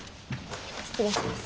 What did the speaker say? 失礼します。